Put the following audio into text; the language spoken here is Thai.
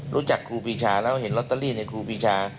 ครูปีชาแล้วเห็นลอตเตอรี่ในครูปีชา